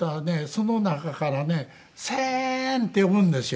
その中からね「千！」って呼ぶんですよ。